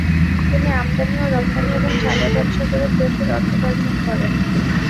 তিনি আমদানি ও রপ্তানি এবং চালের ব্যবসা করে প্রচুর অর্থোপার্জন করেন।